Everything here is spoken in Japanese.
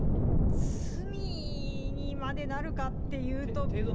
罪にまでなるかっていうと。